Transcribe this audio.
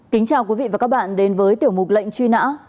kính chào quý vị và các bạn đến với tiểu mục lệnh truy nã